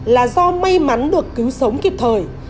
là do may mắn được cứu sống kịp thời